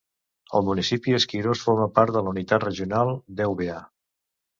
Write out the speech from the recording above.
El municipi Skyros forma part de la unitat regional d'Eubea.